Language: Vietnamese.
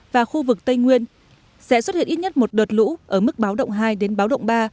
và khu vực tây nguyên sẽ xuất hiện ít nhất một đợt lũ ở mức báo động hai đến báo động ba